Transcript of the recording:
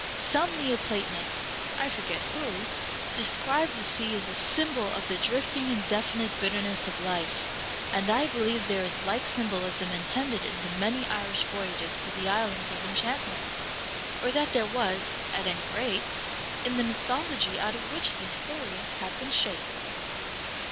Some neo platonist, I forget who, describes the sea as a symbol of the drifting indefinite bitterness of life, and I believe there is like symbolism intended in the many Irish voyages to the islands of enchantment, or that there was, at any rate, in the mythology out of which these stories have been shaped.